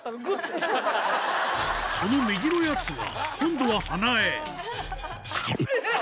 その右のやつが今度は鼻へうわぁ！